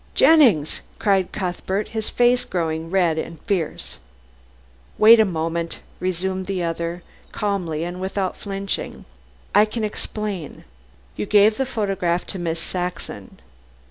"Jennings!" cried Cuthbert, his face growing red and fierce. "Wait a moment," resumed the other calmly and without flinching. "I can explain. You gave the photograph to Miss Saxon.